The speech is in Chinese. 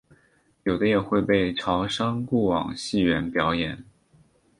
有的也会被潮商雇往戏园表演。